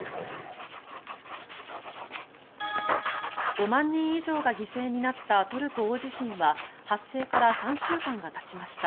５万人以上が犠牲になったトルコ大地震は発生から３週間がたちました。